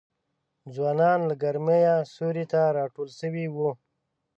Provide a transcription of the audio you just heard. ځوانان له ګرمیه سیوري ته راټول سوي وه